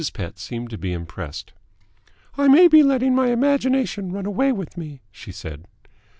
Pett seemed to be impressed. "I may be letting my imagination run away with me," she said.